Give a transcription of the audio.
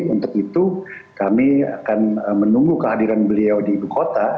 untuk itu kami akan menunggu kehadiran beliau di ibu kota